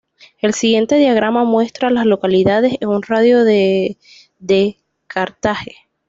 El siguiente diagrama muestra a las localidades en un radio de de Carthage.